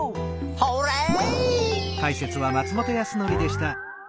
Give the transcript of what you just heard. ホーレイ！